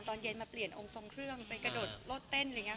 ตอนเย็นมาเปลี่ยนองค์ทรงเครื่องไปกระโดดโลดเต้นอะไรอย่างนี้